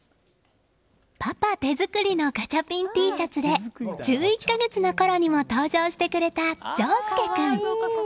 パパ手作りのガチャピンＴシャツで１１か月のころにも登場してくれた丞亮君。